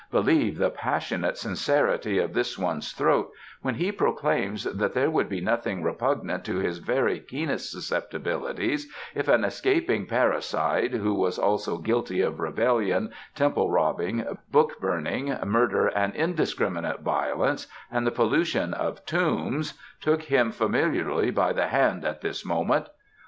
Believe the passionate sincerity of this one's throat when he proclaims that there would be nothing repugnant to his very keenest susceptibilities if an escaping parricide, who was also guilty of rebellion, temple robbing, book burning, murder and indiscriminate violence, and the pollution of tombs, took him familiarly by the hand at this moment.